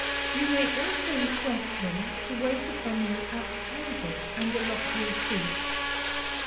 You may also request him to wait upon you to the table, and allot you a seat.